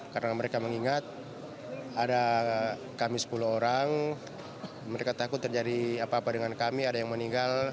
karena mereka mengingat ada kami sepuluh orang mereka takut terjadi apa apa dengan kami ada yang meninggal